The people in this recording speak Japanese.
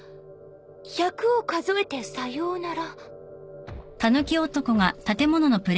「１００を数えてさようなら」